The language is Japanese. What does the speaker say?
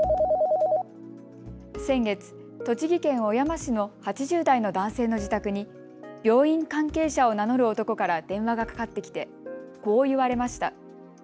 先月、栃木県小山市の８０代の男性の自宅に病院関係者を名乗る男から電話がかかってきてこう言われました。